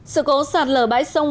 sự cố sạt lở bãi sông